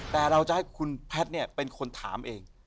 แต่เราจะให้คุณแพทย์เป็นคนถามเอง